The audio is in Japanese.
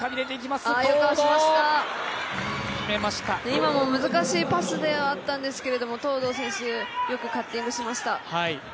今も難しいパスではあったんですけれども、東藤選手、よくカッティングしました。